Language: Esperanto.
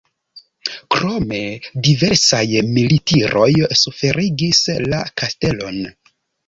Krome diversaj militiroj suferigis la kastelon.